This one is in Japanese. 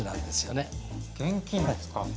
現金ですか。